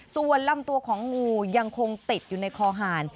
ส่วนลำตัวของงูยังคงติดอยู่ในคอหาร